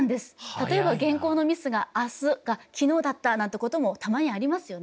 例えば原稿のミスが「明日」が「昨日」だったなんてこともたまにありますよね。